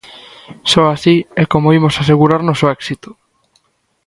Só así é como imos asegurarnos o éxito.